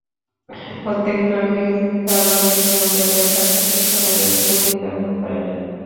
প্রত্যেক নাগরিক তাঁর মানবিক মর্যাদার স্বার্থে শিক্ষা লাভের অধিকার ভোগ করেন।